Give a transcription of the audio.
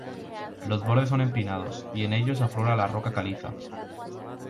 Los bordes son empinados y en ellos aflora la roca caliza.